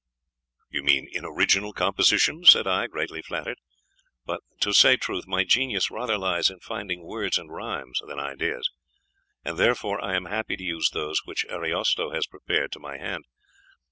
"You mean in original composition?" said I, greatly flattered "But, to say truth, my genius rather lies in finding words and rhymes than ideas; and therefore I am happy to use those which Ariosto has prepared to my hand.